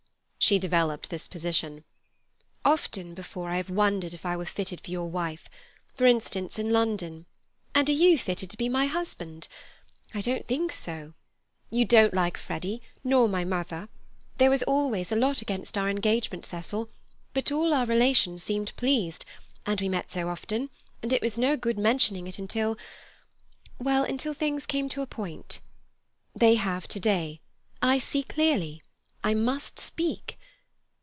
She developed this position. "Often before I have wondered if I was fitted for your wife—for instance, in London; and are you fitted to be my husband? I don't think so. You don't like Freddy, nor my mother. There was always a lot against our engagement, Cecil, but all our relations seemed pleased, and we met so often, and it was no good mentioning it until—well, until all things came to a point. They have to day. I see clearly. I must speak.